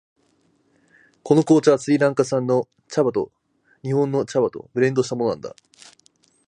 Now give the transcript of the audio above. この紅茶はスリランカ産の茶葉を日本の茶葉とブレンドしたものなんだ。